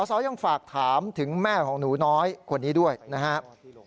สาวยังฝากถามถึงแม่ของหนูน้อยคนนี้ด้วยนะครับ